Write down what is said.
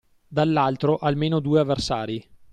Dall’altro almeno due avversari